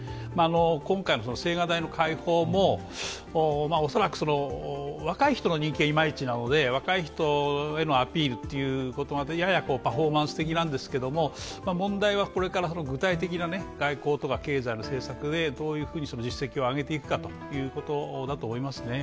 今回の青瓦台の開放も恐らく若い人の人気がいまいちなので、若い人へのアピールが、ややパフォーマンス的なんですけれども問題はこれから具体的な外交とか経済の政策でどういうふうに実績を上げていくかだと思いますね。